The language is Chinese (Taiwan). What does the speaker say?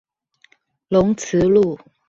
龍慈路